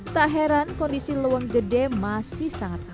tak heran kondisi leweng gede menjadi penyelamat